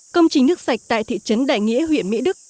công trình nước sạch tại thị trấn đại nghĩa huyện mỹ đức